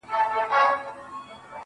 صبر انسان ثابت قدم ساتي.